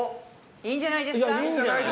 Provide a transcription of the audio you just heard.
いいんじゃないですか。